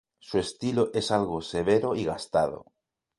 Su estilo es algo severo y gastado.